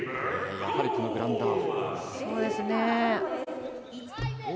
やはり、このグラウンダー。